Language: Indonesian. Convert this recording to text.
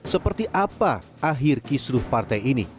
seperti apa akhir kisruh partai ini